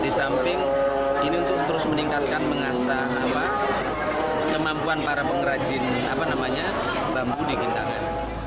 di samping ini untuk terus meningkatkan mengasah kemampuan para pengrajin bambu di gintangan